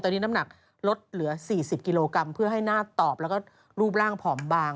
ตอนนี้น้ำหนักลดเหลือ๔๐กิโลกรัมเพื่อให้หน้าตอบแล้วก็รูปร่างผอมบาง